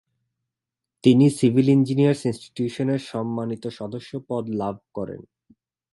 তিনি civil engineers institution এর সম্মানিত সদস্য পদ লাভ করেন।